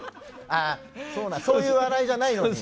そういう笑いじゃないのに。